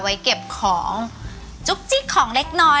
ไว้เก็บของจุ๊กจิ๊กของเล็กน้อย